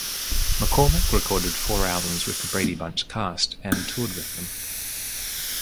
McCormick recorded four albums with the "Brady Bunch" cast, and toured with them.